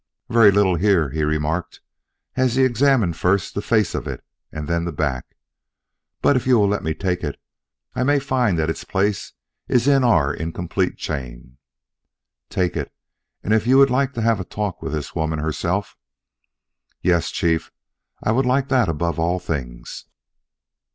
"Very little here," he remarked as he examined first the face of it and then the back. "But if you will let me take it, I may find that its place is in our incompleted chain." "Take it, and if you would like to have a talk with the woman herself " "Yes, Chief; I would like that above all things."